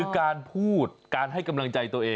การพูดให้กำลังใจตัวเอง